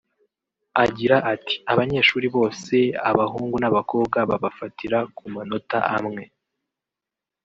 Agira ati “Abanyeshuri bose abahungu n’abakobwa babafatira ku manota amwe